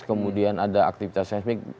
kemudian ada aktivitas seismik